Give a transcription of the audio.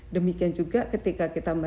demikian juga ketika kita